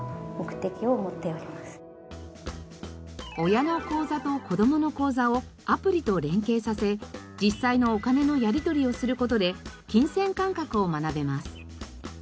親の口座と子どもの口座をアプリと連携させ実際のお金のやり取りをする事で金銭感覚を学べます。